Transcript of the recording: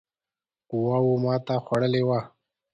قواوو ماته خوړلې وه.